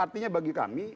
artinya bagi kami